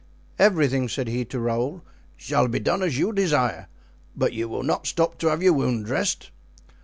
"Everything," said he to Raoul, "shall be done as you desire; but you will not stop to have your wound dressed?"